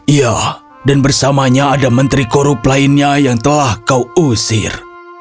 iya dan bersamanya ada menteri korup lainnya yang telah kau usir